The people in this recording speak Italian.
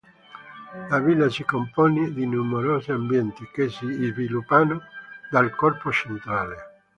La villa si compone di numerosi ambienti, che si sviluppano dal corpo centrale.